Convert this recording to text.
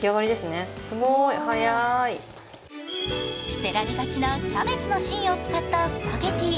捨てられがちなキャベツの芯を使ったスパゲッティ。